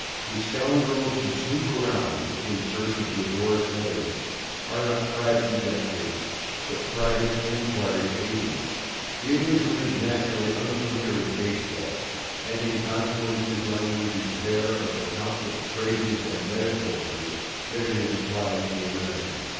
The scoundrels who snoop around in search of divorce evidence are not /private detectives/, but /private enquiry agents/. [Pg111] The Englishman is naturally unfamiliar with baseball, and in consequence his language is bare of the countless phrases and metaphors that it has supplied to American.